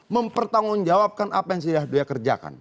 mempertanggungjawabkan apa yang sudah dia kerjakan